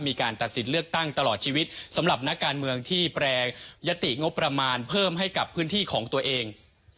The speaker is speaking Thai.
มีการตัดสินเลือกตั้งตลอดชีวิตสำหรับนักการเมืองที่แปลงยติงบประมาณเพิ่มให้กับพื้นที่ของตัวเอง